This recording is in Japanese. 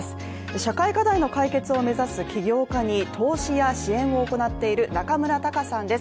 社会課題の解決を目指す起業家に投資や支援を行っている中村多伽さんです。